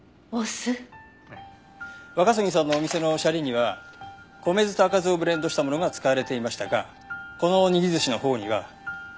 若杉さんのお店のシャリには米酢と赤酢をブレンドしたものが使われていましたがこの握り寿司のほうには柿酢が使用されているんです。